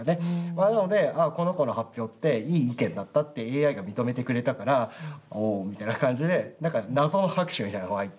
なのでこの子の発表っていい意見だったってＡＩが認めてくれたからおみたいな感じで謎の拍手みたいなのが沸いて。